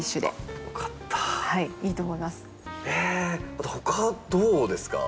あと他どうですか？